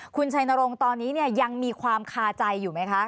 คุณชัยนรงค์ตอนนี้ยังมีความคาใจอยู่ไหมคะ